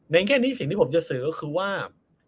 แค่นี้สิ่งที่ผมจะสื่อก็คือว่า